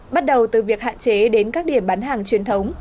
bắt đầu từ việc hạn chế đến các điểm bán hàng truyền thống